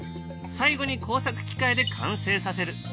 最後に工作機械で完成させる。